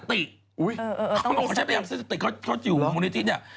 อุ๊ยเออต้องมีสติเขาพยายามใช้สติเขาอยู่บริเวณมุมนิทิศเนี่ย